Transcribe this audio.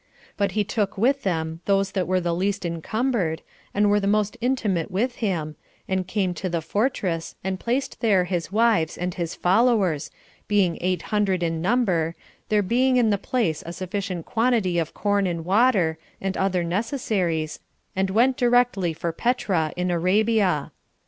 But he took with him those that were the least encumbered, and were most intimate with him, and came to the fortress, and placed there his wives and his followers, being eight hundred in number, there being in the place a sufficient quantity of corn and water, and other necessaries, and went directly for Petra, in Arabia.